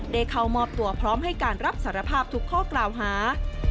เข้ามอบตัวพร้อมให้การรับสารภาพทุกข้อกล่าวหา